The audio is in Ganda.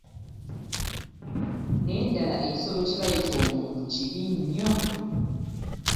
Naye ddala ekisolo kye bayita omuntu kibi nnyo .